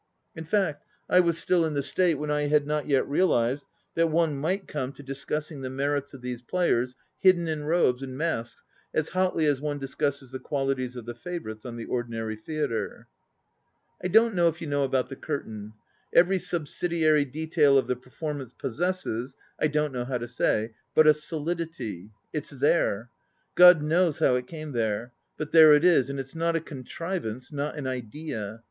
In fact I was still in the state when I had not yet realized that one might come to discussing the merits of these players hidden in robes and masks as hotly as one discusses the qualities of the favourites on the ordinary theatre. "I don't know if you know about the curtain. Every subsidiary detail of the performance possesses, I don't know how to say, but a solidity. It's there. God knows how it came there; but there it is, and it's not a contrivance, not an 'idea.'